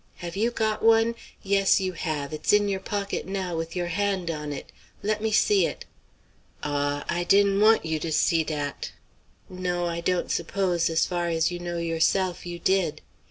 Have you got one? Yes, you have; it's in your pocket now with your hand on it. Let me see it." "Ah! I di'n' want you to see dat!" "No, I don't suppose, as far as you know yourself, you did."